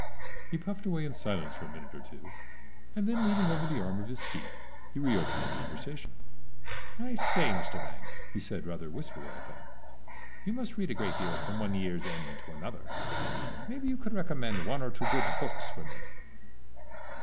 He puffed away in silence for a minute or two, and then leaning over the arm of his seat he re opened the conversation. "I say, Mr. Bangs," he said, rather wistfully, I thought, "you must read a great deal from one year's end to another maybe you could recommend one or two good books for me?"